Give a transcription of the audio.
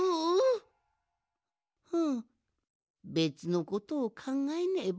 ふうべつのことをかんがえねば。